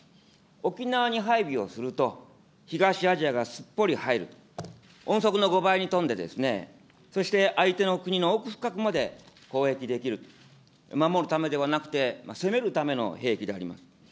沖縄に配備をすると、東アジアがすっぽり入ると、音速の５倍に飛んでですね、そして相手の国の奥深くまで攻撃できると、守るためではなくて、攻めるための兵器であります。